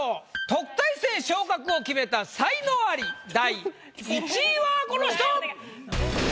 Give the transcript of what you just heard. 特待生昇格を決めた才能アリ第１位はこの人！